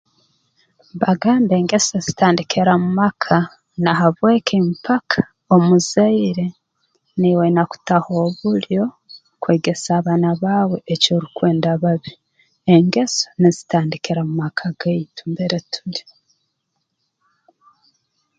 Mbagamba engeso zitandikira mu maka na habweki mpaka omuzaire niiwe oine kutaho obulyo kwegesa abaana baawe eki orukwenda babe engeso nzitandikira mu maka gaitu mbere tuli